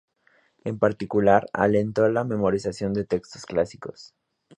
En particular, alentó la memorización de textos clásicos.